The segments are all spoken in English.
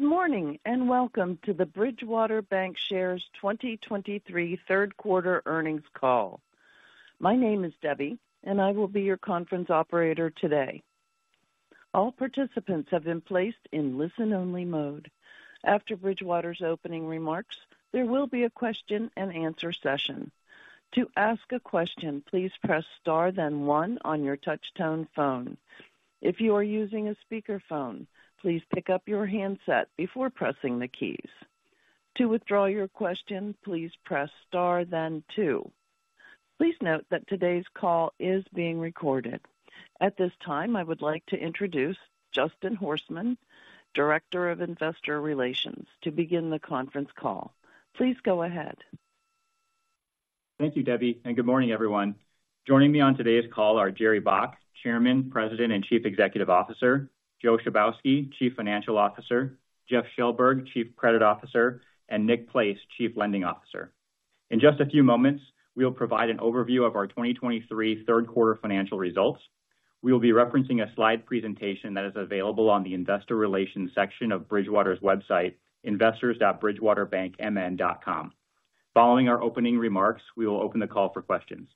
Good morning, and welcome to the Bridgewater Bancshares 2023 third quarter earnings call. My name is Debbie, and I will be your conference operator today. All participants have been placed in listen-only mode. After Bridgewater's opening remarks, there will be a question-and-answer session. To ask a question, please press star then one on your touch-tone phone. If you are using a speakerphone, please pick up your handset before pressing the keys. To withdraw your question, please press star then two. Please note that today's call is being recorded. At this time, I would like to introduce Justin Horstman, Director of Investor Relations, to begin the conference call. Please go ahead. Thank you, Debbie, and good morning, everyone. Joining me on today's call are Jerry Baack, Chairman, President, and Chief Executive Officer, Joe Chybowski, Chief Financial Officer, Jeff Shellberg, Chief Credit Officer, and Nick Place, Chief Lending Officer. In just a few moments, we'll provide an overview of our 2023 third quarter financial results. We will be referencing a slide presentation that is available on the Investor Relations section of Bridgewater's website, investors.bridgewaterbankmn.com. Following our opening remarks, we will open the call for questions.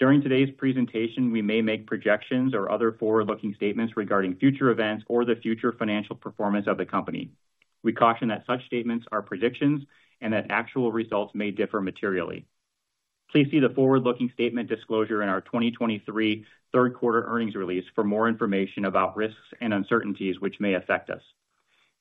During today's presentation, we may make projections or other forward-looking statements regarding future events or the future financial performance of the company. We caution that such statements are predictions and that actual results may differ materially. Please see the forward-looking statement disclosure in our 2023 third quarter earnings release for more information about risks and uncertainties which may affect us.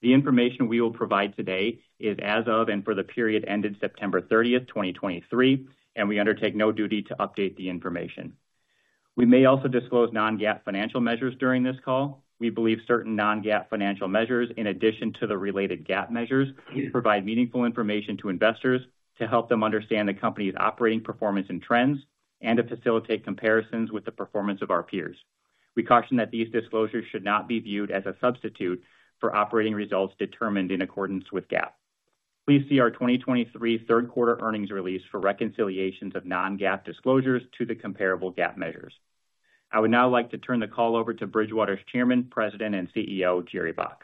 The information we will provide today is as of and for the period ended September 30, 2023, and we undertake no duty to update the information. We may also disclose non-GAAP financial measures during this call. We believe certain non-GAAP financial measures, in addition to the related GAAP measures, provide meaningful information to investors to help them understand the company's operating performance and trends, and to facilitate comparisons with the performance of our peers. We caution that these disclosures should not be viewed as a substitute for operating results determined in accordance with GAAP. Please see our 2023 third quarter earnings release for reconciliations of non-GAAP disclosures to the comparable GAAP measures. I would now like to turn the call over to Bridgewater's Chairman, President, and CEO, Jerry Baack.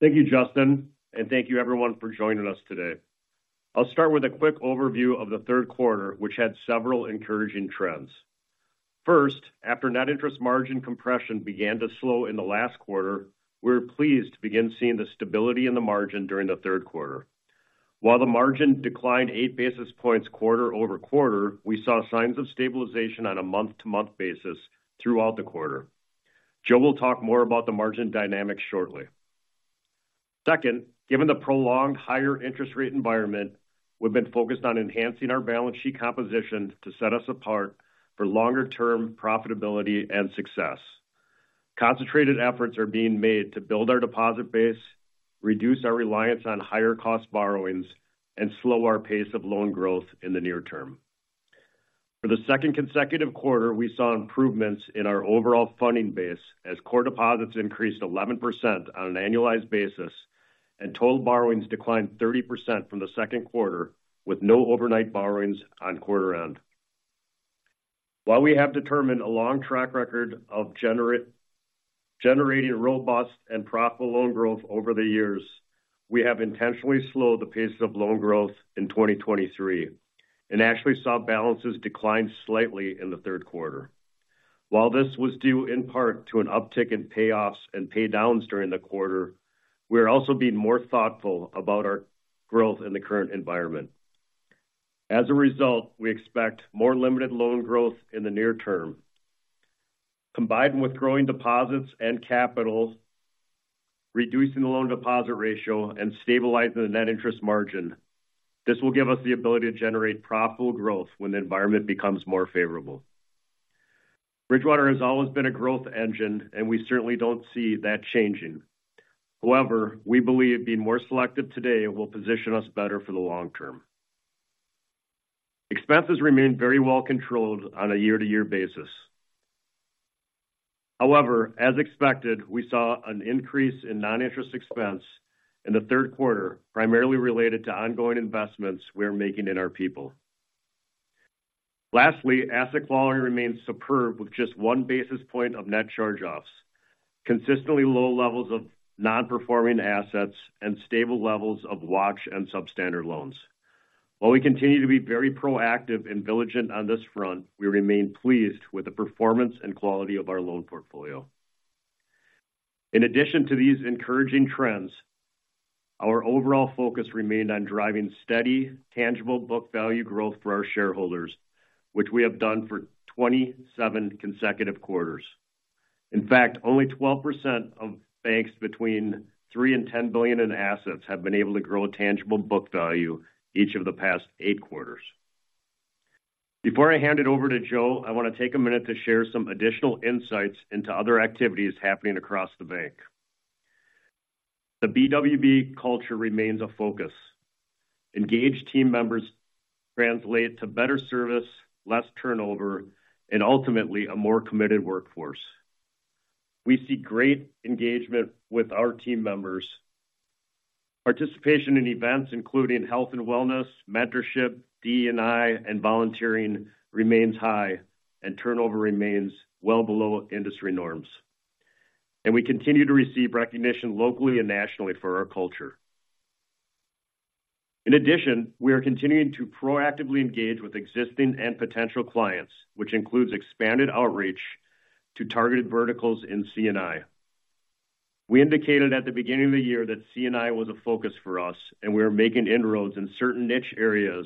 Thank you, Justin, and thank you everyone for joining us today. I'll start with a quick overview of the third quarter, which had several encouraging trends. First, after net interest margin compression began to slow in the last quarter, we're pleased to begin seeing the stability in the margin during the third quarter. While the margin declined 8 basis points quarter-over-quarter, we saw signs of stabilization on a month-to-month basis throughout the quarter. Joe will talk more about the margin dynamics shortly. Second, given the prolonged higher interest rate environment, we've been focused on enhancing our balance sheet composition to set us apart for longer-term profitability and success. Concentrated efforts are being made to build our deposit base, reduce our reliance on higher cost borrowings, and slow our pace of loan growth in the near term. For the second consecutive quarter, we saw improvements in our overall funding base as core deposits increased 11% on an annualized basis, and total borrowings declined 30% from the second quarter, with no overnight borrowings on quarter end. While we have demonstrated a long track record of generating robust and profitable loan growth over the years, we have intentionally slowed the pace of loan growth in 2023 and actually saw balances decline slightly in the third quarter. While this was due in part to an uptick in payoffs and paydowns during the quarter, we are also being more thoughtful about our growth in the current environment. As a result, we expect more limited loan growth in the near term. Combined with growing deposits and capital, reducing the loan-to-deposit ratio and stabilizing the net interest margin, this will give us the ability to generate profitable growth when the environment becomes more favorable. Bridgewater has always been a growth engine, and we certainly don't see that changing. However, we believe being more selective today will position us better for the long term. Expenses remained very well controlled on a year-to-year basis. However, as expected, we saw an increase in non-interest expense in the third quarter, primarily related to ongoing investments we are making in our people. Lastly, asset quality remains superb with just 1 basis point of net charge-offs, consistently low levels of non-performing assets and stable levels of watch and substandard loans. While we continue to be very proactive and diligent on this front, we remain pleased with the performance and quality of our loan portfolio. In addition to these encouraging trends, our overall focus remained on driving steady, tangible book value growth for our shareholders, which we have done for 27 consecutive quarters. In fact, only 12% of banks between $3 billion and $10 billion in assets have been able to grow tangible book value each of the past eight quarters. Before I hand it over to Joe, I want to take a minute to share some additional insights into other activities happening across the bank. The BWB culture remains a focus. Engaged team members translate to better service, less turnover, and ultimately a more committed workforce. We see great engagement with our team members. Participation in events including health and wellness, mentorship, DE&I, and volunteering remains high, and turnover remains well below industry norms. We continue to receive recognition locally and nationally for our culture. In addition, we are continuing to proactively engage with existing and potential clients, which includes expanded outreach to targeted verticals in C&I. We indicated at the beginning of the year that C&I was a focus for us, and we are making inroads in certain niche areas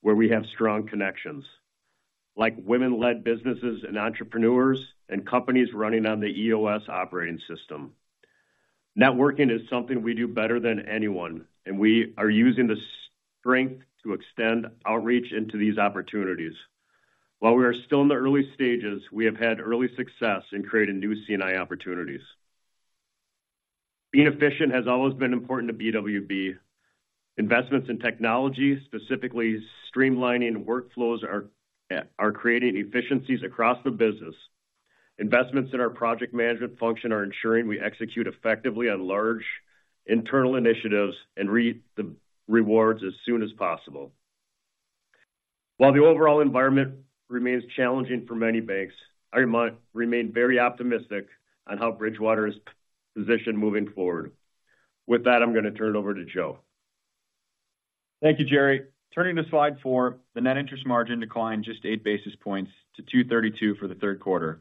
where we have strong connections, like women-led businesses and entrepreneurs, and companies running on the EOS operating system. Networking is something we do better than anyone, and we are using this strength to extend outreach into these opportunities. While we are still in the early stages, we have had early success in creating new C&I opportunities. Being efficient has always been important to BWB. Investments in technology, specifically streamlining workflows, are creating efficiencies across the business. Investments in our project management function are ensuring we execute effectively on large internal initiatives and reap the rewards as soon as possible. While the overall environment remains challenging for many banks, I remain very optimistic on how Bridgewater is positioned moving forward. With that, I'm going to turn it over to Joe. Thank you, Jerry. Turning to slide four, the net interest margin declined just 8 basis points to 2.32 for the third quarter.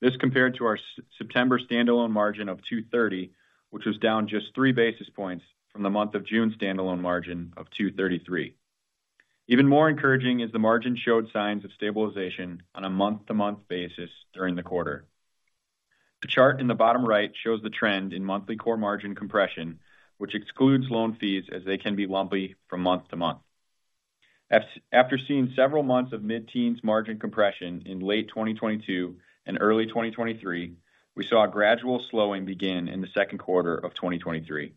This compared to our September standalone margin of 2.30, which was down just 3 basis points from the month of June standalone margin of 2.33. Even more encouraging is the margin showed signs of stabilization on a month-to-month basis during the quarter. The chart in the bottom right shows the trend in monthly core margin compression, which excludes loan fees as they can be lumpy from month to month. After seeing several months of mid-teens margin compression in late 2022 and early 2023, we saw a gradual slowing begin in the second quarter of 2023.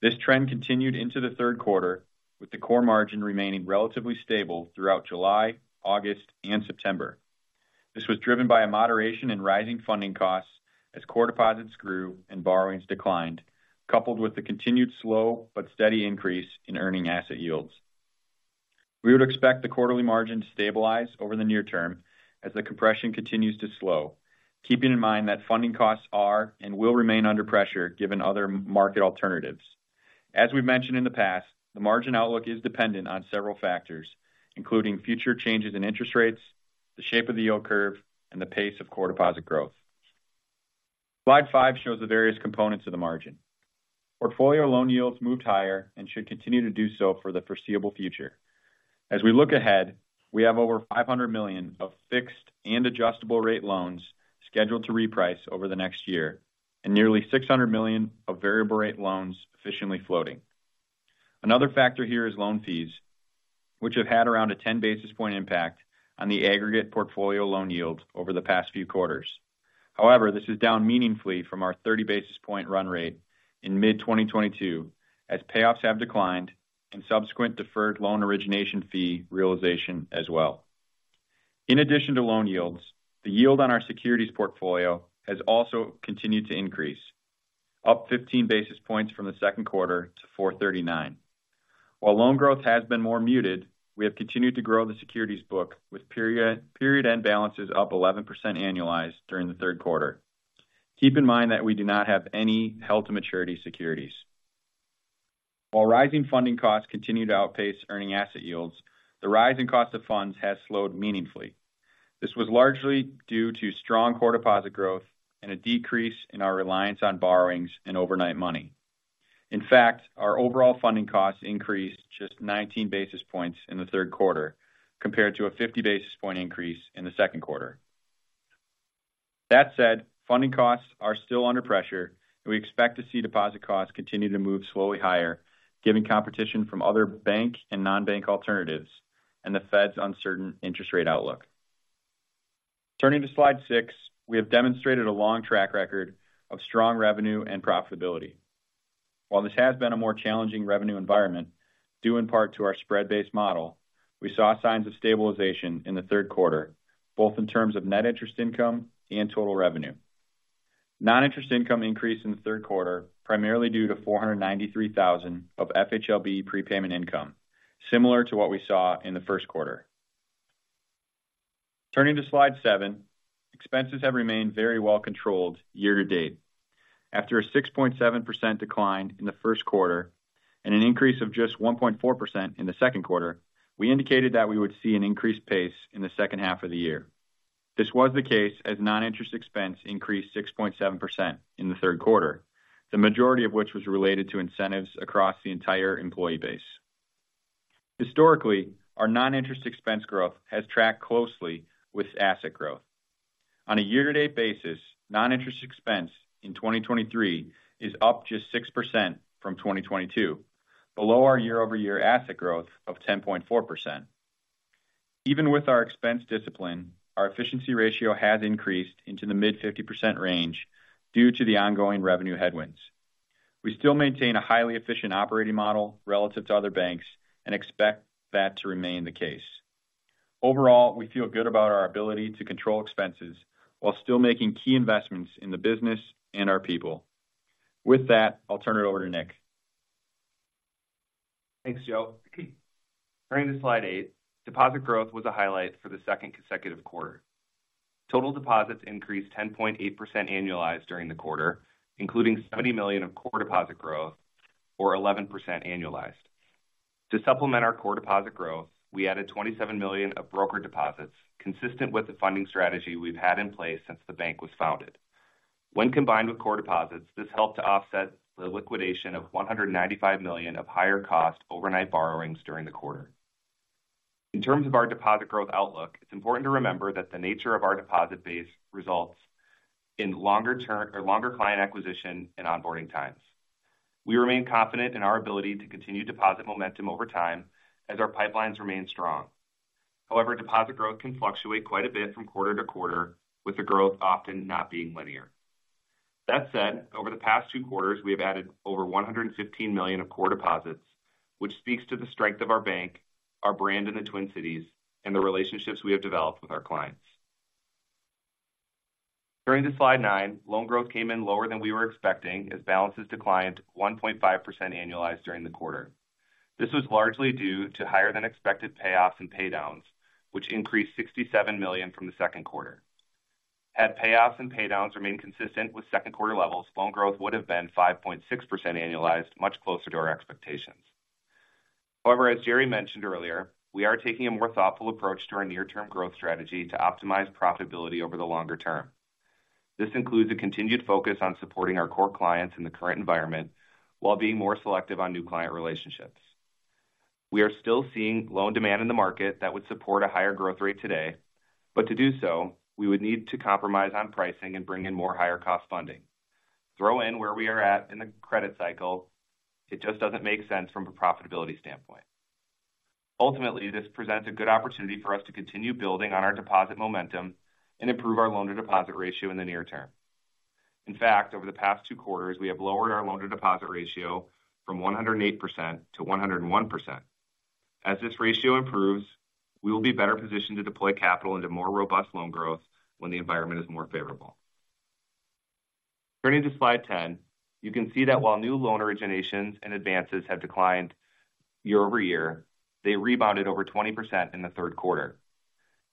This trend continued into the third quarter, with the core margin remaining relatively stable throughout July, August, and September. This was driven by a moderation in rising funding costs as core deposits grew and borrowings declined, coupled with the continued slow but steady increase in earning asset yields. We would expect the quarterly margin to stabilize over the near term as the compression continues to slow, keeping in mind that funding costs are and will remain under pressure given other market alternatives. As we've mentioned in the past, the margin outlook is dependent on several factors, including future changes in interest rates, the shape of the yield curve, and the pace of core deposit growth. Slide five shows the various components of the margin. Portfolio loan yields moved higher and should continue to do so for the foreseeable future. As we look ahead, we have over $500 million of fixed and adjustable rate loans scheduled to reprice over the next year, and nearly $600 million of variable rate loans efficiently floating. Another factor here is loan fees, which have had around a 10 basis point impact on the aggregate portfolio loan yield over the past few quarters. However, this is down meaningfully from our 30 basis point run rate in mid-2022, as payoffs have declined and subsequent deferred loan origination fee realization as well. In addition to loan yields, the yield on our securities portfolio has also continued to increase, up 15 basis points from the second quarter to 4.39. While loan growth has been more muted, we have continued to grow the securities book with period-end balances up 11% annualized during the third quarter. Keep in mind that we do not have any held-to-maturity securities. While rising funding costs continue to outpace earning asset yields, the rise in cost of funds has slowed meaningfully. This was largely due to strong core deposit growth and a decrease in our reliance on borrowings and overnight money. In fact, our overall funding costs increased just 19 basis points in the third quarter, compared to a 50 basis point increase in the second quarter. That said, funding costs are still under pressure, and we expect to see deposit costs continue to move slowly higher, given competition from other banks and non-bank alternatives and the Fed's uncertain interest rate outlook. Turning to slide six, we have demonstrated a long track record of strong revenue and profitability. While this has been a more challenging revenue environment, due in part to our spread-based model, we saw signs of stabilization in the third quarter, both in terms of net interest income and total revenue. Non-interest income increased in the third quarter, primarily due to $493,000 of FHLB prepayment income, similar to what we saw in the first quarter. Turning to slide seven expenses have remained very well controlled year-to-date. After a 6.7% decline in the first quarter and an increase of just 1.4% in the second quarter, we indicated that we would see an increased pace in the second half of the year. This was the case as non-interest expense increased 6.7% in the third quarter, the majority of which was related to incentives across the entire employee base. Historically, our non-interest expense growth has tracked closely with asset growth. On a year-to-date basis, non-interest expense in 2023 is up just 6% from 2022, below our year-over-year asset growth of 10.4%. Even with our expense discipline, our efficiency ratio has increased into the mid-50% range due to the ongoing revenue headwinds. We still maintain a highly efficient operating model relative to other banks and expect that to remain the case. Overall, we feel good about our ability to control expenses while still making key investments in the business and our people. With that, I'll turn it over to Nick. Thanks, Joe. Turning to slide eight, deposit growth was a highlight for the second consecutive quarter. Total deposits increased 10.8% annualized during the quarter, including $70 million of core deposit growth, or 11% annualized. To supplement our core deposit growth, we added $27 million of broker deposits, consistent with the funding strategy we've had in place since the bank was founded. When combined with core deposits, this helped to offset the liquidation of $195 million of higher cost overnight borrowings during the quarter. In terms of our deposit growth outlook, it's important to remember that the nature of our deposit base results in longer term, or longer client acquisition and onboarding times. We remain confident in our ability to continue deposit momentum over time as our pipelines remain strong. However, deposit growth can fluctuate quite a bit from quarter-to-quarter, with the growth often not being linear. That said, over the past two quarters, we have added over $115 million of core deposits, which speaks to the strength of our bank, our brand in the Twin Cities, and the relationships we have developed with our clients. Turning to slide nine. Loan growth came in lower than we were expecting, as balances declined 1.5% annualized during the quarter. This was largely due to higher than expected payoffs and paydowns, which increased $67 million from the second quarter. Had payoffs and paydowns remained consistent with second quarter levels, loan growth would have been 5.6% annualized, much closer to our expectations. However, as Jerry mentioned earlier, we are taking a more thoughtful approach to our near-term growth strategy to optimize profitability over the longer term. This includes a continued focus on supporting our core clients in the current environment while being more selective on new client relationships. We are still seeing loan demand in the market that would support a higher growth rate today, but to do so, we would need to compromise on pricing and bring in more higher cost funding. Throw in where we are at in the credit cycle. It just doesn't make sense from a profitability standpoint. Ultimately, this presents a good opportunity for us to continue building on our deposit momentum and improve our loan-to-deposit ratio in the near term. In fact, over the past two quarters, we have lowered our loan-to-deposit ratio from 108% to 101%. As this ratio improves, we will be better positioned to deploy capital into more robust loan growth when the environment is more favorable. Turning to slide 10, you can see that while new loan originations and advances have declined year-over-year, they rebounded over 20% in the third quarter.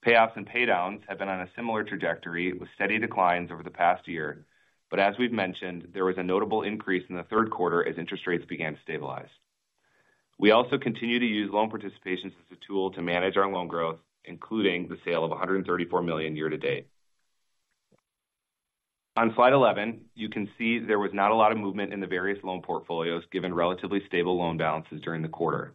Payoffs and paydowns have been on a similar trajectory, with steady declines over the past year. But as we've mentioned, there was a notable increase in the third quarter as interest rates began to stabilize. We also continue to use loan participations as a tool to manage our loan growth, including the sale of $134 million year-to-date. On slide 11, you can see there was not a lot of movement in the various loan portfolios, given relatively stable loan balances during the quarter.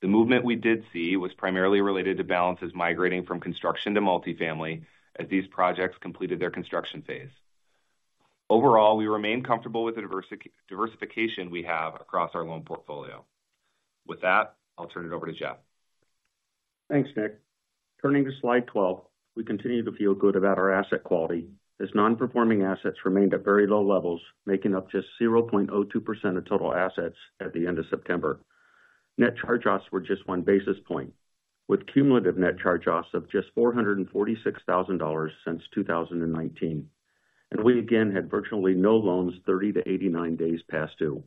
The movement we did see was primarily related to balances migrating from construction to multifamily, as these projects completed their construction phase. Overall, we remain comfortable with the diversification we have across our loan portfolio. With that, I'll turn it over to Jeff. Thanks, Nick. Turning to slide 12. We continue to feel good about our asset quality as non-performing assets remained at very low levels, making up just 0.02% of total assets at the end of September. Net charge-offs were just 1 basis point, with cumulative net charge-offs of just $446,000 since 2019. And we again had virtually no loans, 30-89 days past due.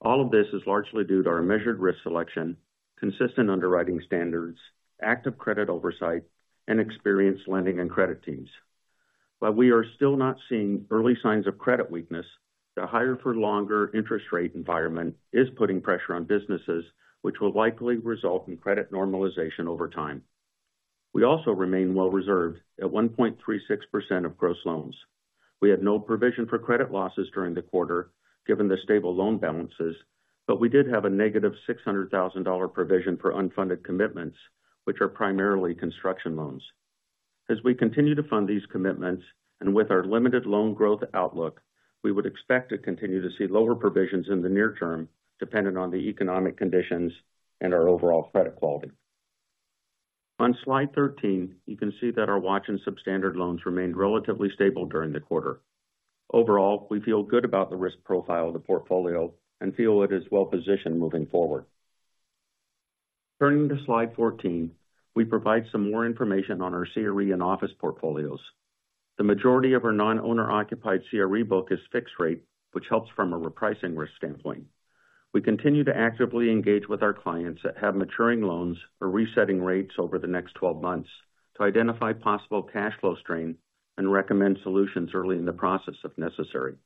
All of this is largely due to our measured risk selection, consistent underwriting standards, active credit oversight, and experienced lending and credit teams. While we are still not seeing early signs of credit weakness, the higher for longer interest rate environment is putting pressure on businesses, which will likely result in credit normalization over time. We also remain well reserved at 1.36% of gross loans. We had no provision for credit losses during the quarter, given the stable loan balances, but we did have a -$600,000 provision for unfunded commitments, which are primarily construction loans. As we continue to fund these commitments and with our limited loan growth outlook, we would expect to continue to see lower provisions in the near term, depending on the economic conditions and our overall credit quality. On slide 13, you can see that our watch and substandard loans remained relatively stable during the quarter. Overall, we feel good about the risk profile of the portfolio and feel it is well positioned moving forward. Turning to slide 14, we provide some more information on our CRE and office portfolios. The majority of our non-owner occupied CRE book is fixed rate, which helps from a repricing risk standpoint. We continue to actively engage with our clients that have maturing loans or resetting rates over the next 12 months to identify possible cash flow strain and recommend solutions early in the process if necessary.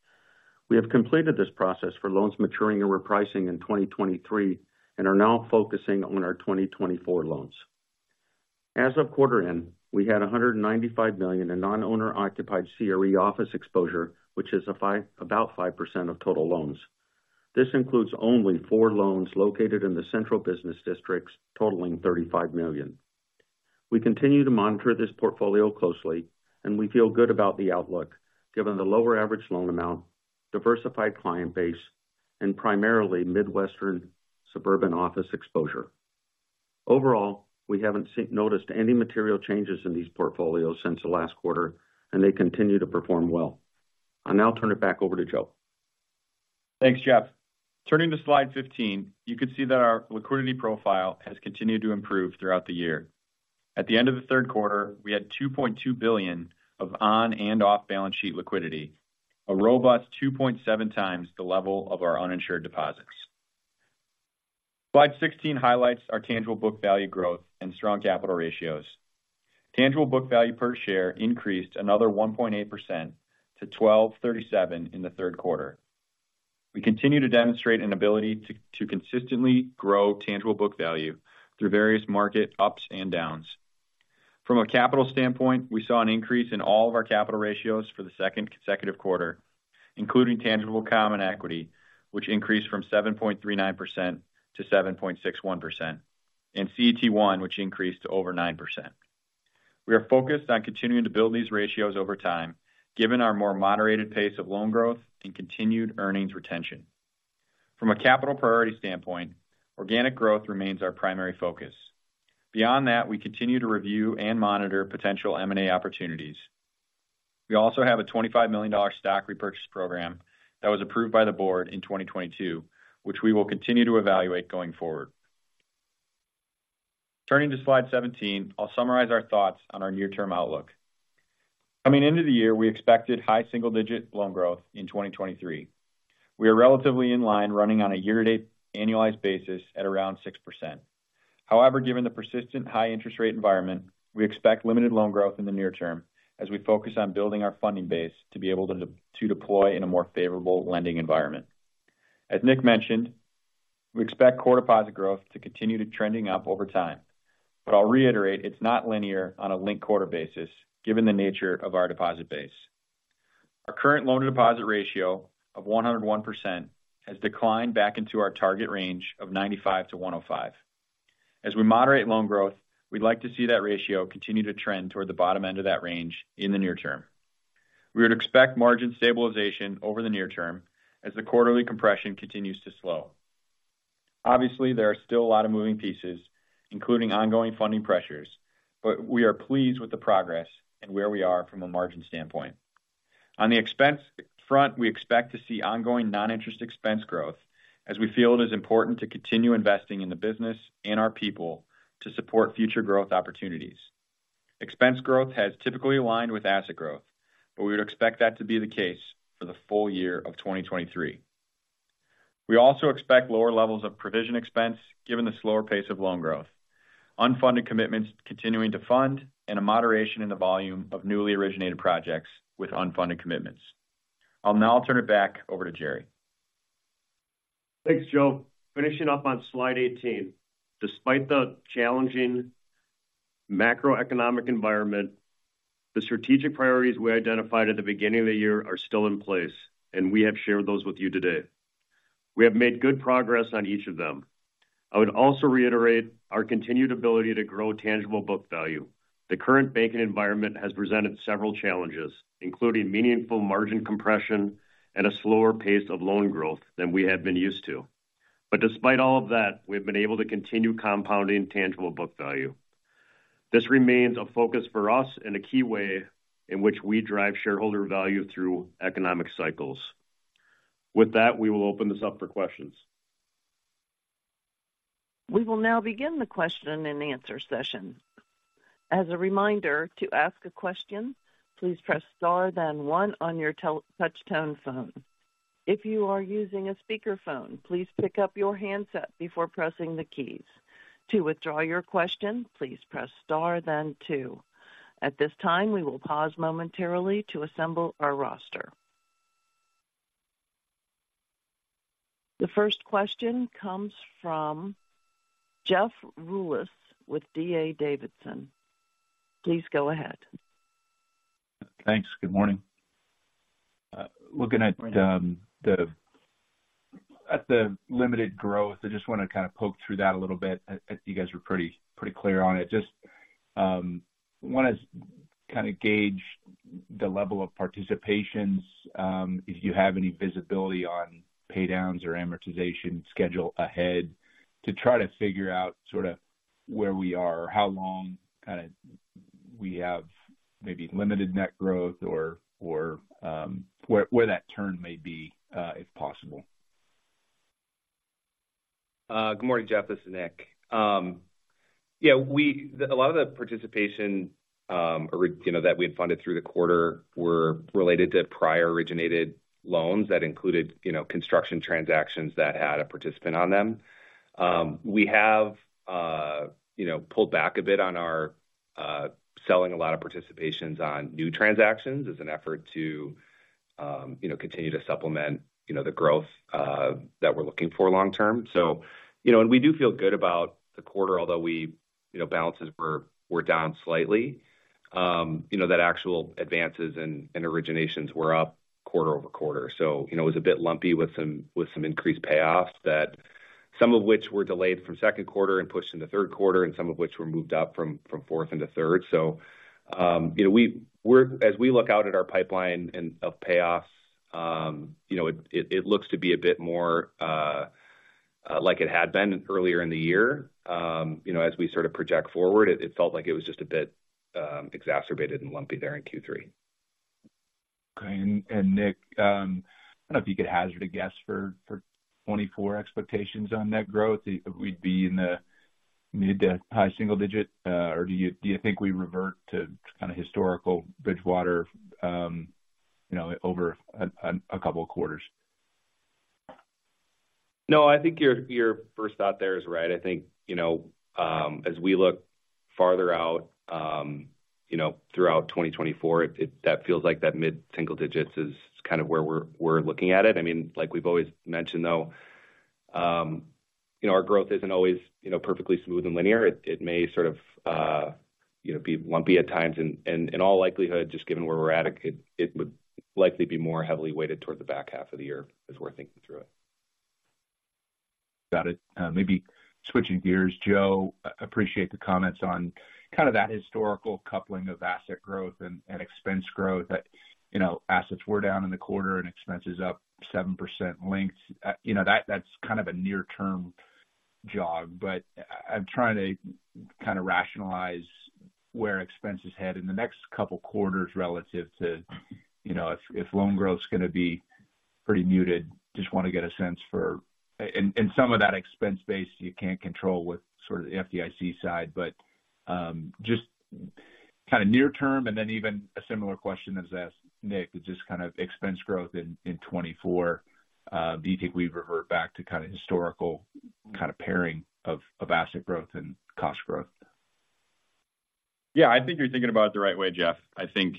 We have completed this process for loans maturing and repricing in 2023, and are now focusing on our 2024 loans. As of quarter end, we had $195 million in non-owner occupied CRE office exposure, which is about 5% of total loans. This includes only four loans located in the central business districts, totaling $35 million. We continue to monitor this portfolio closely, and we feel good about the outlook, given the lower average loan amount, diversified client base, and primarily Midwestern suburban office exposure. Overall, we haven't noticed any material changes in these portfolios since the last quarter, and they continue to perform well. I'll now turn it back over to Joe. Thanks, Jeff. Turning to slide 15, you can see that our liquidity profile has continued to improve throughout the year. At the end of the third quarter, we had $2.2 billion of on and off-balance sheet liquidity, a robust 2.7x the level of our uninsured deposits. Slide 16 highlights our tangible book value growth and strong capital ratios. tangible book value per share increased another 1.8% to $12.37 in the third quarter. We continue to demonstrate an ability to consistently grow tangible book value through various market ups and downs. From a capital standpoint, we saw an increase in all of our capital ratios for the second consecutive quarter, including tangible common equity, which increased from 7.39% to 7.61%, and CET1, which increased to over 9%. We are focused on continuing to build these ratios over time, given our more moderated pace of loan growth and continued earnings retention. From a capital priority standpoint, organic growth remains our primary focus. Beyond that, we continue to review and monitor potential M&A opportunities. We also have a $25 million stock repurchase program that was approved by the board in 2022, which we will continue to evaluate going forward. Turning to slide 17, I'll summarize our thoughts on our near-term outlook. Coming into the year, we expected high single-digit loan growth in 2023. We are relatively in line, running on a year-to-date annualized basis at around 6%. However, given the persistent high interest rate environment, we expect limited loan growth in the near term as we focus on building our funding base to be able to to deploy in a more favorable lending environment. As Nick mentioned, we expect core deposit growth to continue to trending up over time, but I'll reiterate it's not linear on a linked quarter basis, given the nature of our deposit base. Our current loan-to-deposit ratio of 101% has declined back into our target range of 95%-105%. As we moderate loan growth, we'd like to see that ratio continue to trend toward the bottom end of that range in the near term. We would expect margin stabilization over the near term as the quarterly compression continues to slow. Obviously, there are still a lot of moving pieces, including ongoing funding pressures, but we are pleased with the progress and where we are from a margin standpoint. On the expense front, we expect to see ongoing non-interest expense growth as we feel it is important to continue investing in the business and our people to support future growth opportunities. Expense growth has typically aligned with asset growth, but we would expect that to be the case for the full year of 2023. We also expect lower levels of provision expense given the slower pace of loan growth, unfunded commitments continuing to fund, and a moderation in the volume of newly originated projects with unfunded commitments. I'll now turn it back over to Jerry. Thanks, Joe. Finishing up on slide 18. Despite the challenging macroeconomic environment, the strategic priorities we identified at the beginning of the year are still in place, and we have shared those with you today. We have made good progress on each of them. I would also reiterate our continued ability to grow tangible book value. The current banking environment has presented several challenges, including meaningful margin compression and a slower pace of loan growth than we have been used to. But despite all of that, we've been able to continue compounding tangible book value. This remains a focus for us and a key way in which we drive shareholder value through economic cycles. With that, we will open this up for questions. We will now begin the question-and-answer session. As a reminder, to ask a question, please press star then one on your touch-tone phone. If you are using a speakerphone, please pick up your handset before pressing the keys. To withdraw your question, please press star then two. At this time, we will pause momentarily to assemble our roster. The first question comes from Jeff Rulis with D.A. Davidson. Please go ahead. Thanks. Good morning. Looking at the limited growth, I just want to kind of poke through that a little bit. I think you guys were pretty clear on it. Just want to kind of gauge the level of participations, if you have any visibility on paydowns or amortization schedule ahead to try to figure out sort of where we are or how long kind of we have maybe limited net growth or where that turn may be, if possible. Good morning, Jeff, this is Nick. Yeah, we—a lot of the participation, you know, that we had funded through the quarter were related to prior originated loans that included, you know, construction transactions that had a participant on them. We have, you know, pulled back a bit on our selling a lot of participations on new transactions as an effort to, you know, continue to supplement, you know, the growth that we're looking for long term. You know, and we do feel good about the quarter, although we, you know, balances were down slightly. You know, that actual advances and originations were up quarter-over-quarter. So, you know, it was a bit lumpy with some increased payoffs that some of which were delayed from second quarter and pushed into third quarter, and some of which were moved up from fourth into third. So, you know, we're—as we look out at our pipeline and of payoffs, you know, it looks to be a bit more—like it had been earlier in the year. You know, as we sort of project forward, it felt like it was just a bit exacerbated and lumpy there in Q3. Okay. And Nick, I don't know if you could hazard a guess for 2024 expectations on net growth. If we'd be in the mid- to high-single-digit, or do you think we revert to kind of historical Bridgewater, you know, over a couple of quarters? No, I think your, your first thought there is right. I think, you know, as we look farther out, you know, throughout 2024, it, it, that feels like that mid-single digits is kind of where we're, we're looking at it. I mean, like we've always mentioned, though, you know, our growth isn't always, you know, perfectly smooth and linear. It, it may sort of, you know, be lumpy at times, and, and in all likelihood, just given where we're at, it, it would likely be more heavily weighted towards the back half of the year as we're thinking through it. Got it. Maybe switching gears, Joe, appreciate the comments on kind of that historical coupling of asset growth and expense growth. That, you know, assets were down in the quarter and expenses up 7% linked. You know, that's kind of a near-term jog, but I'm trying to kind of rationalize where expenses head in the next couple quarters relative to, you know, if loan growth is going to be pretty muted. Just want to get a sense for... Some of that expense base you can't control with sort of the FDIC side, but just kind of near term, and then even a similar question as asked Nick, but just kind of expense growth in 2024. Do you think we've revert back to kind of historical kind of pairing of asset growth and cost growth? Yeah, I think you're thinking about it the right way, Jeff. I think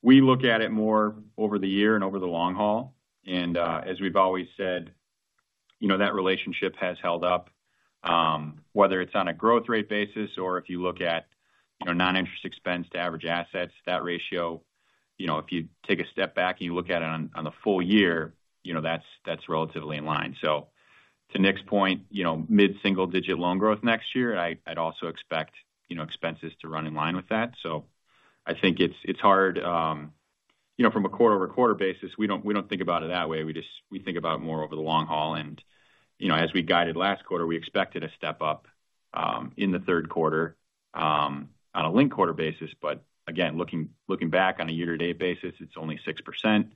we look at it more over the year and over the long haul. And, as we've always said, you know, that relationship has held up, whether it's on a growth rate basis or if you look at, you know, non-interest expense to average assets, that ratio. You know, if you take a step back and you look at it on, on the full year, you know, that's, that's relatively in line. So to Nick's point, you know, mid-single digit loan growth next year. I'd, I'd also expect, you know, expenses to run in line with that. So I think it's, it's hard, you know, from a quarter-over-quarter basis, we don't, we don't think about it that way. We just -- we think about it more over the long haul. You know, as we guided last quarter, we expected a step up in the third quarter on a linked quarter basis. But again, looking back on a year-to-date basis, it's only 6%.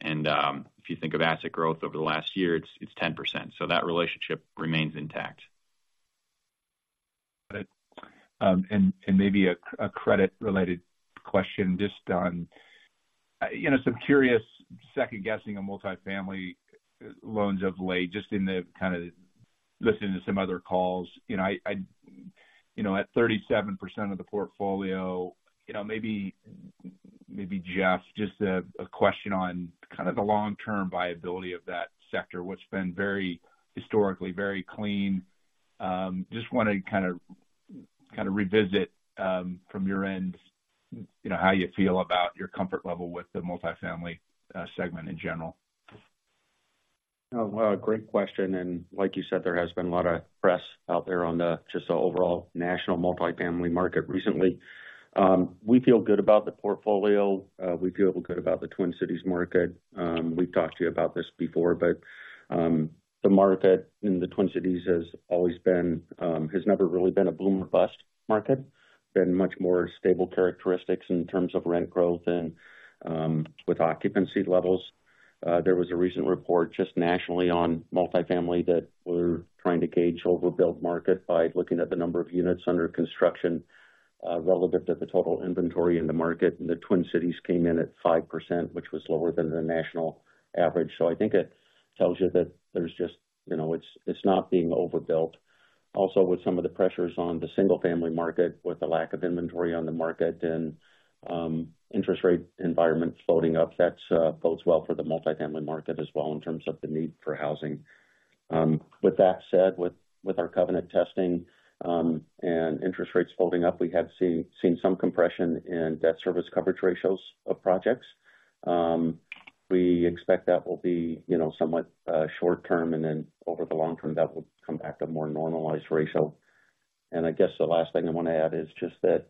And if you think of asset growth over the last year, it's 10%. So that relationship remains intact. Good. And maybe a credit-related question just on, you know, some curious second-guessing on multifamily loans of late, just kind of listening to some other calls. You know, you know, at 37% of the portfolio, you know, maybe, Jeff, just a question on kind of the long-term viability of that sector, what's been very historically very clean. Just wanted to kind of revisit, from your end, you know, how you feel about your comfort level with the multifamily segment in general. Oh, well, great question, and like you said, there has been a lot of press out there on the just the overall national multifamily market recently. We feel good about the portfolio. We feel good about the Twin Cities market. We've talked to you about this before, but the market in the Twin Cities has never really been a boom or bust market. Been much more stable characteristics in terms of rent growth and with occupancy levels. There was a recent report just nationally on multifamily that we're trying to gauge overbuilt market by looking at the number of units under construction relative to the total inventory in the market. And the Twin Cities came in at 5%, which was lower than the national average. So I think it tells you that there's just, you know, it's not being overbuilt. Also, with some of the pressures on the single-family market, with the lack of inventory on the market and interest rate environment floating up, that bodes well for the multifamily market as well in terms of the need for housing. With that said, with our covenant testing and interest rates floating up, we have seen some compression in debt service coverage ratios of projects. We expect that will be, you know, somewhat short term, and then over the long term, that will come back to a more normalized ratio. And I guess the last thing I want to add is just that,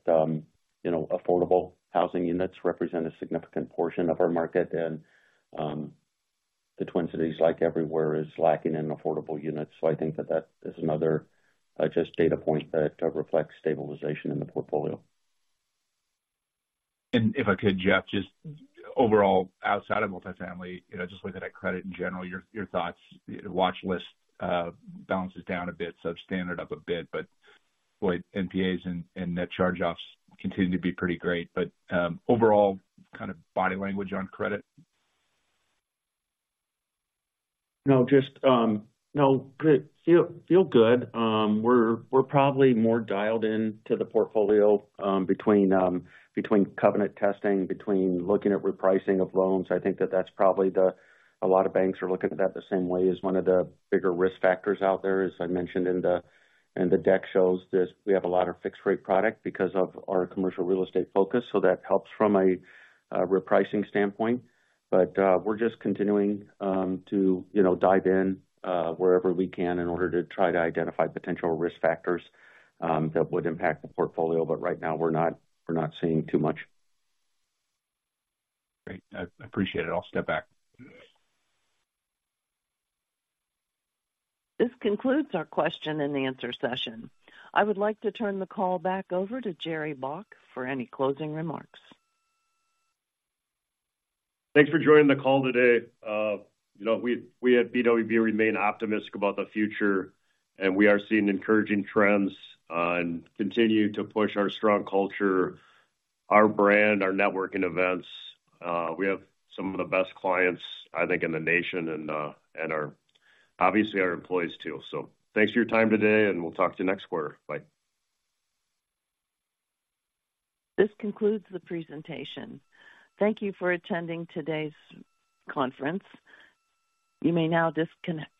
you know, affordable housing units represent a significant portion of our market, and, the Twin Cities, like everywhere, is lacking in affordable units. So I think that that is another, just data point that reflects stabilization in the portfolio. And if I could, Jeff, just overall, outside of multifamily, you know, just looking at credit in general, your thoughts. Your watch list balances down a bit, substandard up a bit, but boy, NPAs and net charge-offs continue to be pretty great. But overall, what kind of body language on credit? No, just... No, good. Feel good. We're probably more dialed in to the portfolio between covenant testing, between looking at repricing of loans. I think that's probably the a lot of banks are looking at that the same way as one of the bigger risk factors out there. As I mentioned in the deck shows this, we have a lot of fixed rate product because of our commercial real estate focus, so that helps from a repricing standpoint. But we're just continuing to, you know, dive in wherever we can in order to try to identify potential risk factors that would impact the portfolio. But right now, we're not seeing too much. Great. I appreciate it. I'll step back. This concludes our question and answer session. I would like to turn the call back over to Jerry Baack for any closing remarks. Thanks for joining the call today. You know, we at BWB remain optimistic about the future, and we are seeing encouraging trends and continue to push our strong culture, our brand, our networking events. We have some of the best clients, I think, in the nation and our, obviously our employees, too. So thanks for your time today, and we'll talk to you next quarter. Bye. This concludes the presentation. Thank you for attending today's conference. You may now disconnect.